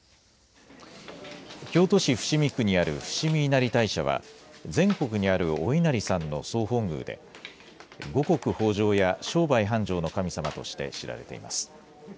京都市伏見区にある伏見稲荷大社は全国にあるお稲荷さんの総本宮で五穀豊じょうや商売繁盛の神様として知られています。